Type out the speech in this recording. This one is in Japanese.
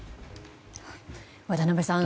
渡辺さん